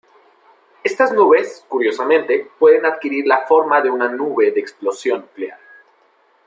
Estas nubes, curiosamente, pueden adquirir la forma de una nube de explosión nuclear.